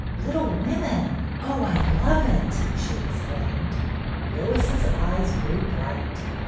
"'Little Women!' Oh, I love it!" she exclaimed. Lois's eyes grew bright.